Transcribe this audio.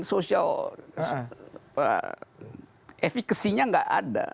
sosial efekasinya gak ada